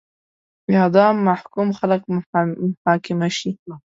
اعدام محکوم خلک محاکمه شي.